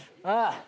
ああ。